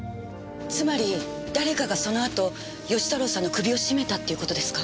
つまり誰かがそのあと義太郎さんの首を絞めたっていう事ですか？